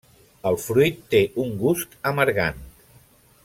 El fruit té un gust amargant.